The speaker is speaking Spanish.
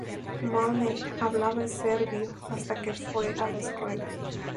Malden hablaba serbio hasta que fue a la escuela.